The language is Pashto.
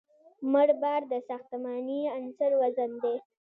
مړ بار د ساختماني عنصر وزن دی